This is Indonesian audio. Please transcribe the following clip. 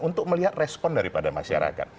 untuk melihat respon daripada masyarakat